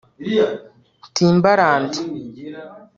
Timbaland